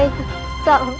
aku sudah berhenti